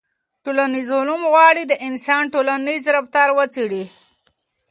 ټولنیز علوم غواړي د انسان ټولنیز رفتار وڅېړي.